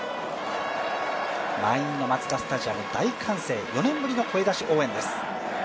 満員のマツダスタジアム大歓声、４年ぶりの声出し応援です。